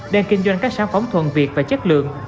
đang kinh doanh các sản phẩm thuần việt và chất lượng